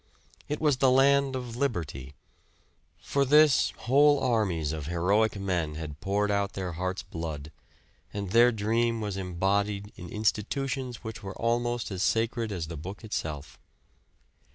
It was the land of Liberty. For this whole armies of heroic men had poured out their heart's blood; and their dream was embodied in institutions which were almost as sacred as the Book itself.